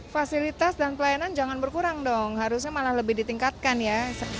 fasilitas dan pelayanan jangan berkurang dong harusnya malah lebih ditingkatkan ya